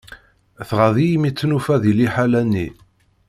Tɣaḍ-iyi mi tt-nufa di liḥala-nni.